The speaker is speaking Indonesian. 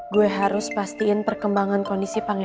gue harus pastiin perkembangan kondisi pang ewa